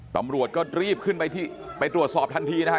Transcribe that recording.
ตำรวจก็รีบขึ้นไปไปตรวจสอบทันทีนะฮะ